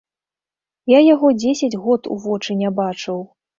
Я яго дзесяць год у вочы не бачыў.